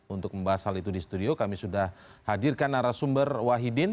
untuk membahas hal itu di studio kami sudah hadirkan narasumber wahidin